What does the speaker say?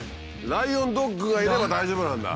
ライオンドッグがいれば大丈夫なんだ。